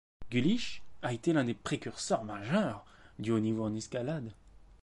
Güllich a été l'un des précurseurs majeurs du haut niveau en escalade.